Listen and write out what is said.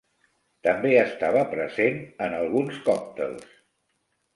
També estava present en alguns còctels.